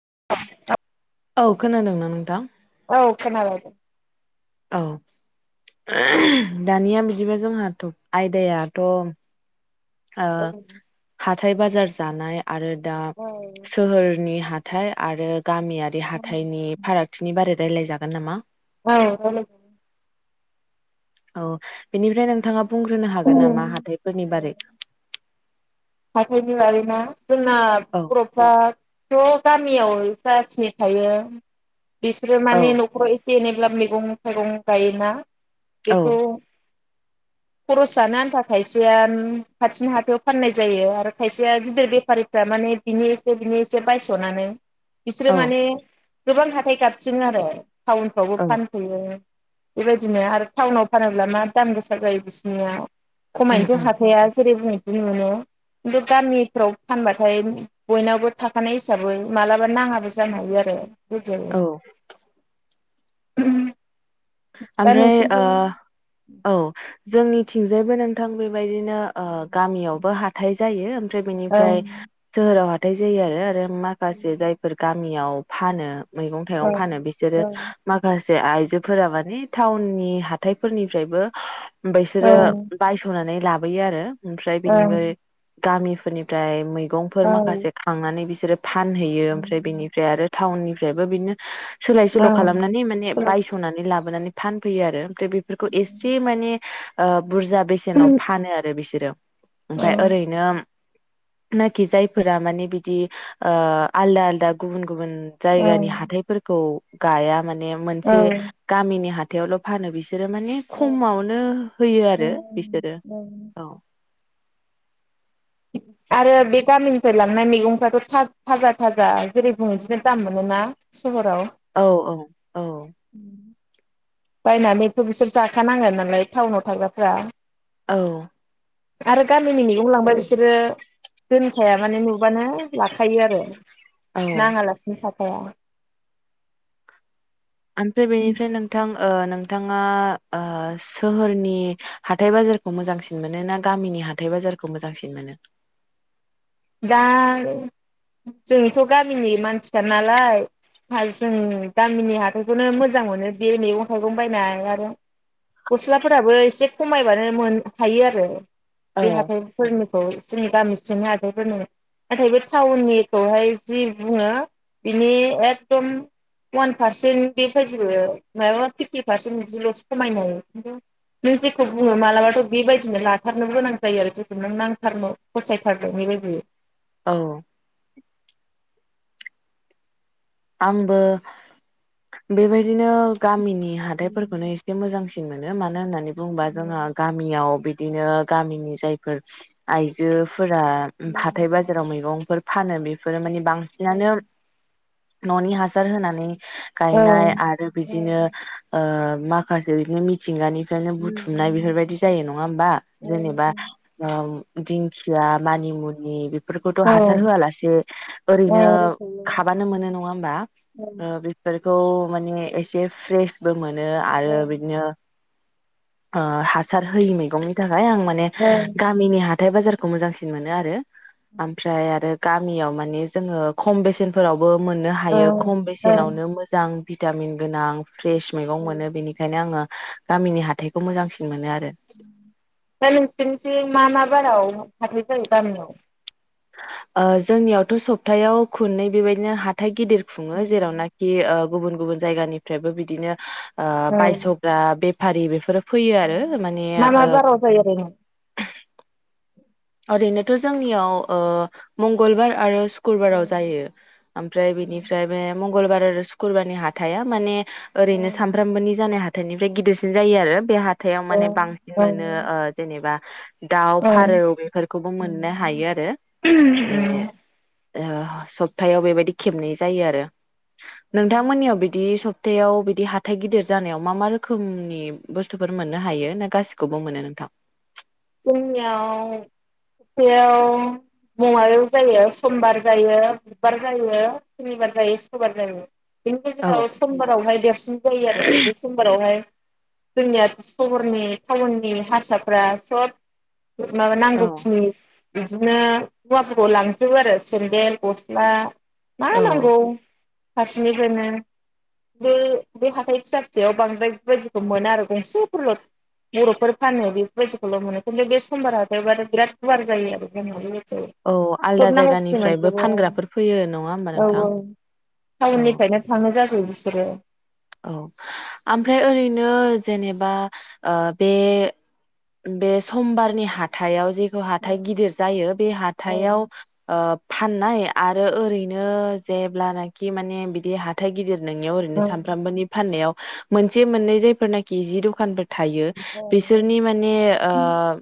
[unintelligible] औ खोनादोंना नोंथां औ खोनाबाय दे औ दानिया बिदिबा जोमयं आयदायाथ ओ औ हाथाय बाजार जानाय आरो दा औ सोहोरनि हा थाय आरो गामियारि हाथाइनि फारागथिनि बारै रायज्लायजागोन नामा? औ रायलायजागोन । औ बेनिफ्राय नोंथाङा बुंग्रोनो हागोन नामा हाइथाफोरनि बारै हाथायनि बागै ना जोंना औ बरफ्राथ गामियाव जाखिनि थायो बिसोर औ माने नखराव एनैब्ला मैगं थाइगं गायोना। औ बेखौ। खरस जानो आन्था खायसेया खाथिनि हाथायाव फाननाय। जायो आरो खायसेया गिदिर बेफारिफ्रा माने बिनि एसे बिनि एसे बायसनानै। बिसोरो औ माने। गोबां हाथाय गाबसि [unintelligible] आरो। टाउनफ्रावबो औ फानफैयो। बेबायदिनो आरो टाउनाव फानोब्ला मा दाम गोसा जायो बिसनियाव। उम खमायनोथ उम हाखाया जेरै बुंङो। [unintelligible] खिन्थु गामिफ्राव फानबाथाय बयनावबो थाखानाय हिसाबै मालाबा नाङाबो जानो हायो आरो। औ [unintelligible] [unintelligible] दा ओमफ्राय ओ नोंसिनिथिं औ। जोंनिथिंजायबो नोंथां बे। बेबायदिनो गामियावबो हाथाइ। जायो। ओमफ्राय ओं बेनिफ्राय जोहोराव [unintelligible] हथाय [unintelligible] जायो आरो माखासे जायफोर गाब। मियाव फानो। मैगं थाइगं ओं फानो बिसोरो माखासे। आयजो। फोरा माने टाउननि हाथायफोरनिफ्रायबो औ बैसोरो बायसनानै लाबोयो आरो। ओमफ्राय ओं बेनिबो गामिफोरनिफ्राय मै। मैगंफोर औ माखासे खांनानै बिसोर। फानहैयो ओमफ्राय बेनिफ्राय आरो। टाउननिफ्रायबो बिनो। सोलाय ओं औ सोल खालामनानै माने बायस। नानै लाबोनानै फानफैयो आरो। ओमफ्राय बेफोरखौ एसे माने। [unintelligible] बुरजा बेसेनाव फानो आरो बिसोरो। ओमफाय ओरैनो नाखि जायफोरा माने बिदि आलदा आलदा गुबुन गुबुन जायगानि औ हाथायफोरखौ गाया माने मोनसे गामिनि हा थायावल फानो बिस सोरो माने खमावनो होयो आरो बिसोरो औ। आरो बे गामिनिफ्राय लांनाय मैगंफ्राथ' थाजा थाजा जेरै बुं बिदिनो दाम मोनोना सहराव औ औ औ। बायनानैथ' बिसोर जाखानांगोन नालाय टाउनाव थाग्राफ्रा आरो गामिनि मैगं लांबाय बिसो सोरो दोनखाया माने नुबानो लाखायो आरो औ नाङालासिनो थाब अ। ओमफ्राय बेनिफ्राय नोंथां ओ नोंथाङा ओ सोहोरनि नि हाथाय बाजारखौ मोजांसिन मोनो ना गामिनि हाथाय बाजारखौ मोजांसिन मोनो? दा जोंथ' गामिनि मानसिखा नालाय जों गामिनि हााथाइखौनो मोजां मोनो। बे मैगं थाइगं बायनाय आरो गस्लाफोराबो एसे खमायबानो हायो आरो औ देहाफोर फोरनो औ जोंनि गामि सिंनि [unintelligible] फोरनो नाथाय बे टाउननिखौहाय जि बुङो बिनि एकदम अवान पारसेन्ट बेबायदि मा फिफ्टि पारसेन्ट बिदिलसो खमायन खिन्थु नों जेखौ बुङो मालाबाथ' बेबायदिनो लाथारनोबो गोनां जायो आरो जेखौ नों नांथारनो फसायथार बेबादि औ। आंबो बेबायदि नो गामिनि उम हाथाइफोरखौनो एसे मोजांसिन मोनो मानो होननानै बुंबा उम जोंङो गामियाव बिद दिनो गामिनि जायफोर आइजो फोरा‌ उम हाथाय बाजाराव मैगं फोर फानो बेफोर माने बांसिनानो उम न'नि हासार होनानै औ गायनाय आरो बिदिनो ओ माखासे बिदिनो मिथिंगानि फ्रायनो बुथुमनाय बेफोरबायदि जायो नङा होमबा जेनेबा दिंखिया, मानिमुनि बेफ फोरखौथ' औ हासार होआलासे ओरैनो औ औ खाबानो मोनो नङा होनबा ओ बेफोर खौ माने एसे फ्रेस बो मोनो आरो बिदिनो ओ हासार होयि मैगंनि थाखाय आं माने गामिनि हाथाइ बाजार खौ मोजांसिन मोनो आरो ओमफ्राय आरो गामियाव माने जोङो खम बेसेनफोराव बो मोननो हायो खम बेसेनावनो मोजां भिटामिन गोनां फ्रेस मैगं मोनो बेनिखायनो आङो गामिनि हाथाय खौ मोजांसिन मोनो आर दा नोंसोरनिथिं मा मा बाराव हाथाय जायो गामियाव? ओ जोंनियावथ' सब्थायाव खननै बेबायदिनो हाथाइ गिदिर खुङो जेरावनाखि ओ गुबुन गुबुन जायगानिफ्रायबो बिदिनो ओ औ बायसग्रा बे फारि बेफोरो फैयो आरो माने मा मा ओ‌ बाराव जायो ओरैनो? ओरैनोथ' जोंनियाव ओ मंगलबार आरो सु औ खुरबाराव जायो ओमफ्राय बेनिफ्राय बे मं मंगलबार आरो सुखुरबारनि हाथाइआ माने ओरैनो औ सानफ्रामबोनि जानाय हाथ‌ हाथाइनिफ्राय गिदिरसिन जायो आरो बे हाथ हथाइआव माने बांसिन औ मोनो ओ जेनेबा दाउ, औ फारौ बे फोरखौबो मोननो हायो आरो बे ओ सप्तायाव बेबायदि खेबनै जायो आरो। नोंथांमोननियाव बिदि सब थायाव बिदि हाथाइ गिदिर जानायाव मा मा रोखोमनि बुस्थुफोर मोननो हायो ना गासिखौबो मोनो नोंथां? जोंनियाव हाथाइआव बङायाव जायो समबार जायो बुधबार जायो सनिबार जायो सुक्रबार जायो। बेनिफ्राय औ जोंङो समबारावहाय देरसिन जायो आरो बे समबारावहाय- जोंनिया सहरनि टाउननि हारसाफ्रा सत माबा औ नांगौ खिनिस बिदिनो हवाफोरखौ लांजोबो आरो सेन्देल गस्ला मा औ नांगौ फारसिनैमोनो बे बे हाथाय फिसा फिसायाव बांद्राय बेबायदिखौ मोनो आरो गंसेफोरल बरफोर फानो बेफोरबायदि ल मोनो खिन्थु बे समबार हाथाय बाथाय बिराद गुवार जायो आरो जे जायो औ आलदा सोब नांगौ खिनि जायगानिफ्रायबो मोनजोबो फानग्राफोर फैयो नङा होमबा औ नोंथां? औ औ टाउननिफ्रायनो थांनाय जाजोबो- सोरो औ ओमफ्राय ओरैनो जेनेबा ओ बे बे समबारनि हाथाइाव जे हाथाइ गिदिर जायो बे औ हाथायाव आ फाननाय आरो ओरैनो जेब्लानोखि माने बिदि हाथाइ गिदिर नोंनियाव ओरैनो सान नि फाननायाव मोनसे मोनै जायफोरनाखि जि दखान फोर- थायो बिसोरनि माने ओ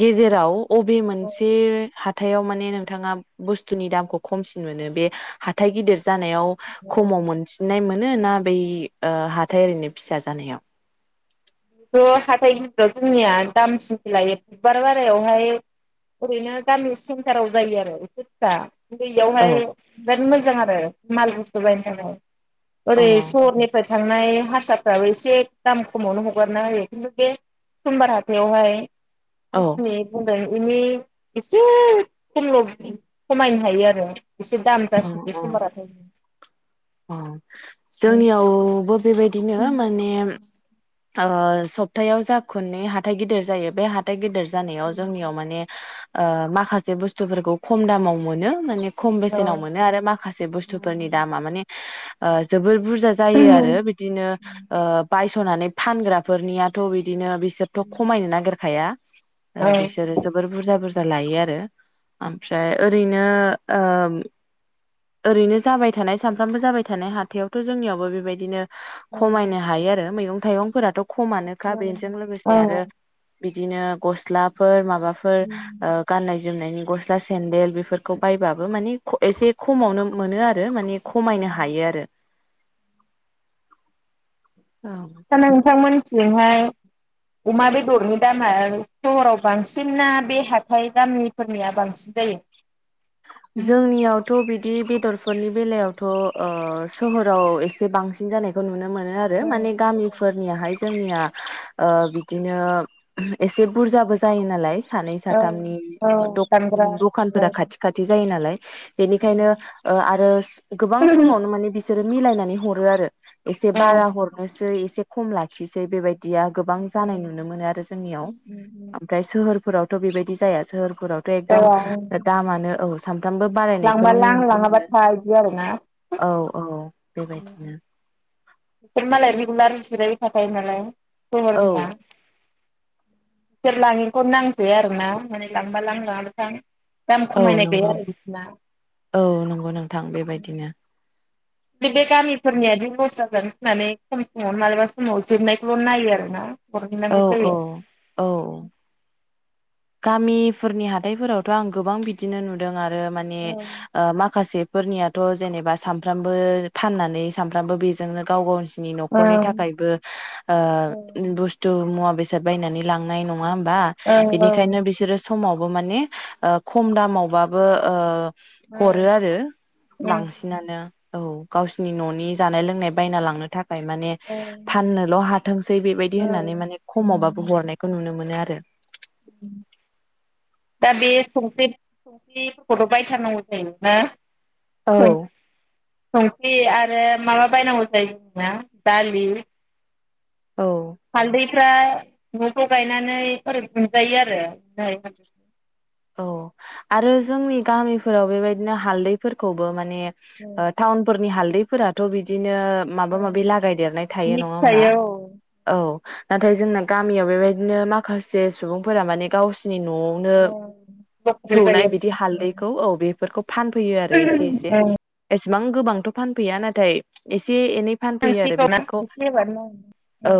गेजेराव अबे मोनसे हा हाथायाव माने नोंथांङा बुस्थुनि दामखौ खमसिन मोनो बे हाथाइ गिदिर- जानायाव खमाव मोनसिननाय मो नो ना बै ओ हाथाइ ओरैनो फिसा जानायाव। बे हाथाइ गिदिरयाव जोंनिया दामसिन लायो बुधबार बारायावहाय ओरैनो गामि सेन्टाराव जायो आरो एसे फिसा। औ दैयावहाय बिराद मोज मोजां आरो माल बुस्थु बायनो थाखाय। औ ओरै सरहरनिफ्राय थांनाय हारसाफ्राबो एसे दाम खमावनो ह हगारना होयो खिन्थु बे समबार हाथायावहाय औ [unintelligible] बिनि एसे खमल खमायनो हायो आरो एसे दाम जासिननो बे समबार हाथायनि अ जोंनियावबो बेबायदिनो माने ओ सप्थायाव जा खननै हाथाइ गिदिर जायो बे हाथाइ गिदिर जानायाव जोंनियाव माने ओ माखासे बुस्थुफोरखौ खम दामाव मोनो माने खम औ बेसेनाव मोनो आरो माखासे बुस्थुफोरनि दामा माने ओ जोबोद बुर जा जायो आरो बिदिनो ओ बाय [unintelligible] फानग्राफोरनियाथ बिदिनो बिसोरथ खमायनो नागेर खाया ओ बिसोरो जोबोर बुरजा बुर लायो आरो ओमफ्राय ओरैनो ओ ओरैनो जाबाय थानाय सानफ्रामबो जाबाय थानाय हाथायावथ जोंनियावबो बेबायदिनो खमायनो हायो आरो मैगं थाइगंफोराथ खमानोखा बेजों औ लोगोसे आरो बिदिनो गस्लाफोर माब माबाफोर ओ गाननाय जोमनायनि गस्ला सेन्देल बेफोरखौ बायबाबो माने एसे खमावनो मोनो आरो माने खमायनो हायो आरो औ दा नोंथांमोन थिजोंहाय अमा बेदरनि दामा सहराव बांसिन ना बे हाथाय गामिफोरनिया बांसिन जायो जोंनियावथ बि दि बेदरफोरनि बेलायावथ ओ सोहराव एसे बांसिन जानायखौ नुनो मोनो आरो औ माने गामिफोरनियाहाय जोंनिया ओ बिदिनो एसे बुरजाबो जायो नालाय सानै साथामनि औ द- दामग्रा दखानफोरा खाथि खाथि जायो नालाय बेनिखायनो ओ आरो गोबां समावनो माने बिसोरो मिलायनानै हरो आरो एसे औ बारा हरनोसै एसे खम लाखिसै बेबाय दिया गोबां जानाय नुनो मोनो आरो जोंनियाव ओमफ्राय सोहोरफोराव थ बेबायदि जाया सोहोर फोरावथ एकदम औ औ दामानो औ सा फ्रामबो लांबा बारायनायखौनो लां नुनो लाङाबा मोनो था इदि आरोना औ औ बेबायदिनो बेफोर मालाय रिगुलार जिरायबाय थाखायो नालाय। औ [unintelligible] सोरलाङिखौनो नांजाया आरो ना माने लांबालां लांङाबा था। औ नंगौ औ नंगौ नोंथां बेबायदिनो। बे गामिफोरनियादि लस जागोन गिनानै खम समावनो मालाबा समाव जोबनायखौल नायो आरो ना। औ औ औ। गामिफोरनि हाथाइफोरावथ आं गोबां बिदिनो नुदों आरो ओ माने औ ओ माखासे फोरनियाथ जेनेबा सानफ्रामबो फाननानै सानफ्रामबो बेजोंनो गाव गावनि नि औ नखरनि थाखायबो ओ बुस्थु मुवा बेसाद बायनानै लांनाय नङा होनबा बा। औ बेनिखायनो बिसोरो समावबो माने ओ खम दामावबाबो ओ हरो आरो बांसिनानो औ। गावसिनि ननि जानाय लोंनाय बायना लांनो थाखाय। [unintelligible] माने ओं फाननोल हाथोंसै बेबायदि औ होननानै माने खमावबाबो हरनायखौ नुनो मोनो आरो। [inaudible] दा बे संख्रि संख्रिफोरखौथ बायथारनांगौ जायो ना। औ। संख्रि आरो माबा बायनांगौ जायो जोंना दालि औ। फ्रा नफ्राव गायनानै मोनजायो आरो। औ आरो जोंनि गामिफोराव बेबायदिनो हालदैफोरखौबो माने ने टाउनफोरनि हाल फोराथ बिदि नो माबा माबि लागायदेरनाय थायो नि नङा होमबा फिथाइया औ औ। नाथाय जोंना गामियाव बेबायदिनो माखासे सुबुंफोरा माने गावसोर नआवनो लकेल सौनाय जायो बिदि हालदैखौ औ बे बेफोरखौ फानफैयो आरो एसे एसे एसेबां गोबांथ फानफैया नाथाय एसे एसे एनै फानफैयो आरो ओंख्रिखौ ना बेफोरखौ एसे होबानो औ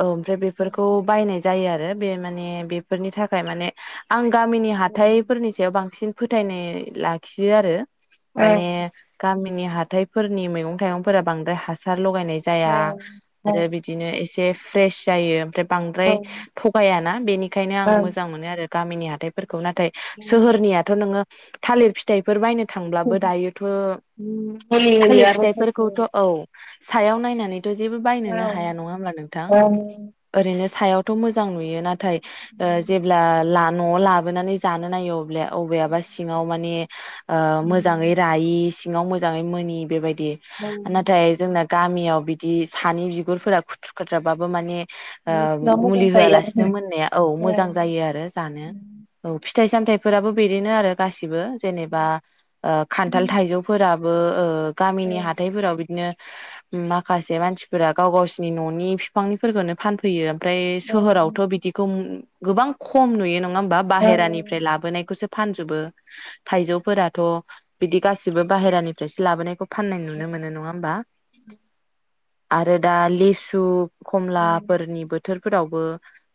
औ ओमफ्राय बेफोरखौ बायनाय जायो आरो आरो बे माने बेफोरनि थाखाय माने आं गामिनि हाथायफोरनि सायाव बांसिन फोथायनाय लाखियो आरो। माने गामि आनि हाथायफोरनि मैगं थाइगंफोरा बांद्राय हासार लगायनाय जाया औ आरो बिदिनो एसे जे फ्रेश जायो ओमफ्राय बांद्राय मुलि थगायाना बेनिखायनो आं मोजां मोनो आरो। गामिनि हाथाइफोर नाथाय सोहोरनियाथ नोङो थालिर फिथाइफोर बायनो थांब्लाबो दायोथ होयो थालिर आरो खायसे फिथाइफोरखौथ औ सायाव नायनानै जेबो औ बायनोनो हाया नङा हब्ला नोंथां औ ओरैनो। सायावथ मोजां नुयो नाथाय ओ जेब्ला ला नआव लाबोनानै जानो नायो अब्ला बबेयबा सिङाव माने मोजाङै रायि सिङाव मोजाङै मोननि बेबायदि नाथाय जोंना गामियाव बिदि सानै बिगुरफोरा खुथ्रु खुद्राबाबो माने मस्ला मोजां मुलि जायो होआलासिनो आरो मोननाया औ मोजां जायो आरो औ फिथाइ सामथायाइफोराबो बिदिनो आरो गासिबो जेनेबा खान्थाल थाइजौफोरा बो ओ गामिनि हाथायफोराव बिदिनो माखासे मानसिफोरा गाव गावसिनि न'नि फिफांनिफोरखौनो फानफैयो। ओमफ्राय जोंना सोहोरावथ' बिदिखौ गोबां खम नुयो नामा? बा बाहेरानिफ्राय लाबोनायखौसो फानजोबो थाइजौफोराथ' बिदि गासिबो बाहेरानिफ्रायसो लाबोनायखौ फाननाय नुनो मोनो नङा होमबा? आरो दा लिसु रायलायनाया खमलाफोरनि बोथोर फोरावबो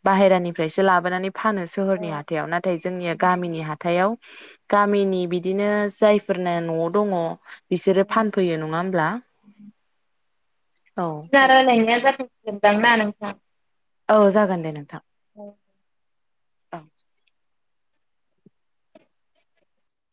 बाहेरानिफ्रायसो लाबोनानै फानो सोहोरनि हायाव नाथाय जोंनिया गामिनि हाथायाव गामिनि बिदिनो जायफोरना न'आव दङ बिसोरो फानफैयो नङा होमब्ला? औ जारालाय ना जा दां ना नोंथां औ जागोन दे नोंथां औ औ